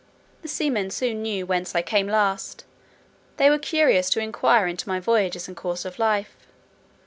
The seamen soon knew from whence I came last: they were curious to inquire into my voyages and course of life.